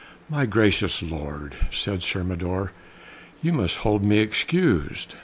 "My gracious lord," said Sir Mador, "you must hold me excused.